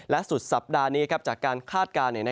และสุดสัปดาห์นี้จากการคาดการณ์